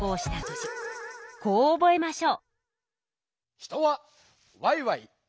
こう覚えましょう。